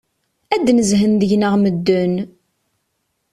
Ad d-nezhen deg-neɣ medden!